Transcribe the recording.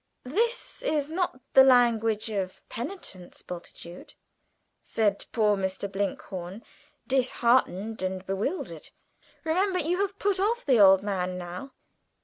"This is not the language of penitence, Bultitude," said poor Mr. Blinkhorn, disheartened and bewildered. "Remember, you have put off the Old Man now!"